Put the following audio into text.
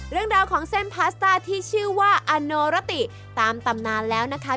เรื่องราวของเส้นพาสต้าที่ชื่อว่าอโนรติตามตำนานแล้วนะคะ